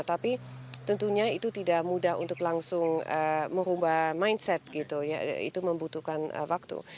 tapi tentunya itu tidak mudah untuk langsung merubah mindset gitu ya itu membutuhkan waktu